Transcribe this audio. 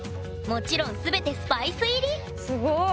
もちろん全てスパイス入りすごい。